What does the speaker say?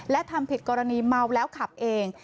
และทำผิดกรณีเมาแล้วขับเอง